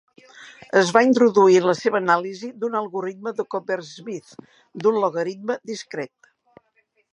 Es va introduir en la seva anàlisi d'un algoritme de Coppersmith d'un logaritme discret.